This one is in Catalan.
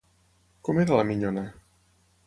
Com era la minyona?